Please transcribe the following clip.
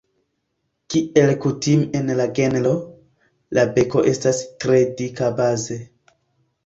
Kiel kutime en la genro, la beko estas tre dika baze.